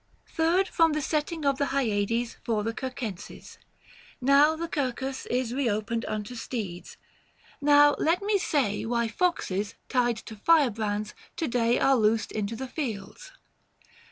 Third from the setting of the Hyades For the Circenses : now the Circus is Book IV. THE FASTI. 129 Ee opened unto steeds. Now let me say Why foxes, tied to firebrands, to day Are loosed into the fields.